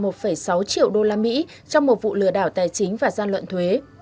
trong một vụ lừa đảo tài chính và gian luận thuế